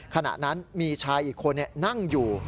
ขณะนั้นมีชายอีกคนนั่งอยู่